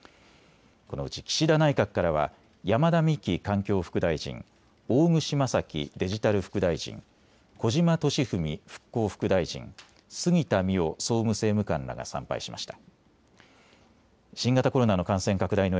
このうち岸田内閣からは山田美樹環境副大臣、大串正樹デジタル副大臣、小島敏文復興副大臣、杉田水脈総務政務官らが参拝しました。